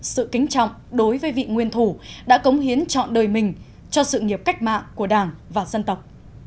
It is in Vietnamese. sự kính trọng đối với vị nguyên thủ đã cống hiến chọn đời mình cho sự nghiệp cách mạng của đảng và dân tộc